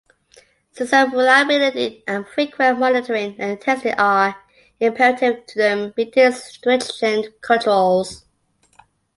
System reliability and frequent monitoring and testing are imperative to them meeting stringent controls.